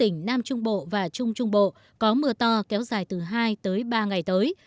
nam bộ và trung trung bộ có mưa to kéo dài từ hai tới ba ngày tới